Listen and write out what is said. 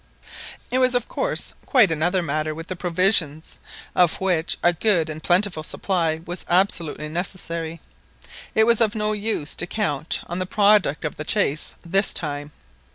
It was of course quite another matter with the provisions, of which a good and plentiful supply was absolutely necessary. It was of no use to count on the product of the chase this time.